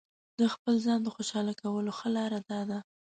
د خپل ځان د خوشاله کولو ښه لاره داده.